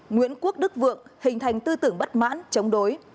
nguyễn quốc đức vượng hình thành tư tưởng bất mãn chống đối